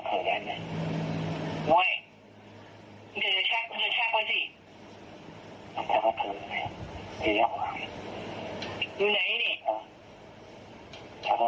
อันนี้ไม่ได้อาณาจารย์